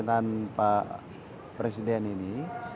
pemimpinan pak presiden ini